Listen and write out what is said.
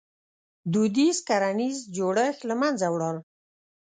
• دودیز کرنیز جوړښت له منځه ولاړ.